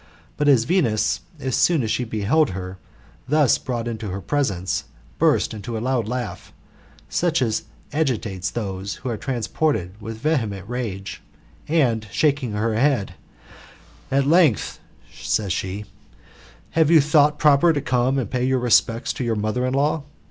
But VeottSi as soon as she behM her thus brought into her presence^ burst into a loud laugh, such as agiutes those who are transported with vdiement rage; and, shaking her head, At length, says she, have you thought proper to come and pay your req>ects to your mother in law?